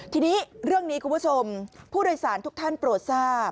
ทีนี้เรื่องนี้คุณผู้ชมผู้โดยสารทุกท่านโปรดทราบ